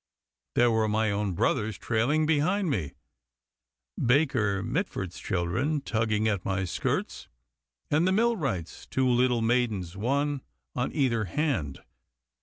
There were my own brothers trailing behind me, Baker Mitford's children tugging at my skirts, and the millwright's two little maidens one on either hand.